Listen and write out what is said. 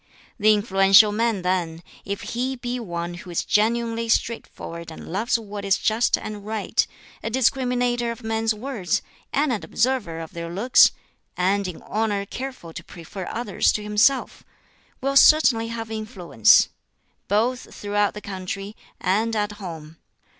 The influential man, then, if he be one who is genuinely straightforward and loves what is just and right, a discriminator of men's words, and an observer of their looks, and in honor careful to prefer others to himself will certainly have influence, both throughout the country and at home.